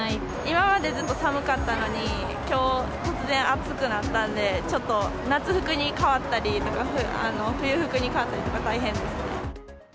今までずっと寒かったのに、きょう、突然暑くなったんで、ちょっと、夏服に変わったり、冬服に変わったりとか大変ですね。